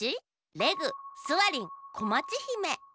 レグスワリンこまちひめ。